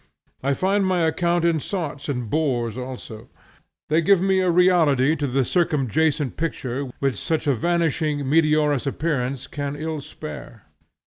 I find my account in sots and bores also. They give a reality to the circumjacent picture which such a vanishing meteorous appearance can ill spare.